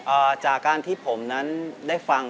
จากการที่ผมนั้นได้ฟัง